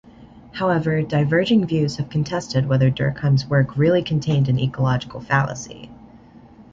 However, diverging views have contested whether Durkheim's work really contained an ecological fallacy.